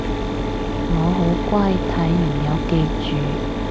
我好乖睇完有記住